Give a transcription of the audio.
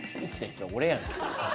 それ俺やん。